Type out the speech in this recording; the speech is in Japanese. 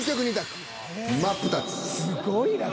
すごいな。